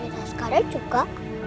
rina sekarang juga